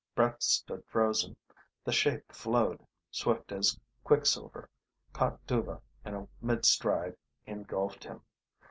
Brett stood frozen. The shape flowed swift as quicksilver caught Dhuva in mid stride, engulfed him.